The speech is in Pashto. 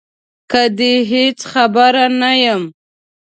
له دې هېڅ خبره نه یم